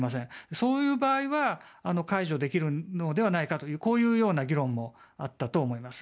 そういう場合は解除できるのではないかとこういうような議論もあったと思います。